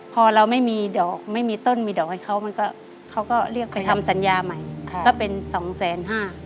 พอเราไม่มีต้นไม่มีดอกให้เขามันก็เรียกไปทำสัญญาใหม่ก็เป็น๒๕๐๐๐๐บาท